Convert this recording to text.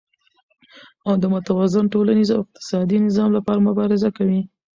او د متوازن ټولنيز او اقتصادي نظام لپاره مبارزه کوي،